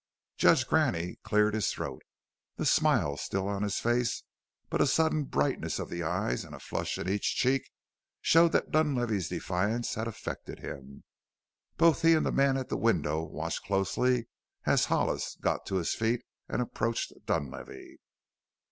Judge Graney cleared his throat. The smile was still on his face, but a sudden brightness of the eyes and a flush in each cheek showed that Dunlavey's defiance had affected him. Both he and the man at the window watched closely as Hollis got to his feet and approached Dunlavey.